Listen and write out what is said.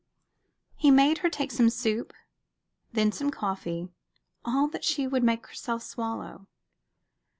He made her take some soup, then some coffee, all that she could make herself swallow.